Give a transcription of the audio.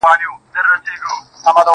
• ما مي د هسک وطن له هسکو غرو غرور راوړئ_